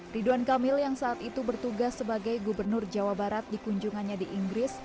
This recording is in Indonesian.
ridwan kamil yang saat itu bertugas sebagai gubernur jawa barat di kunjungannya di inggris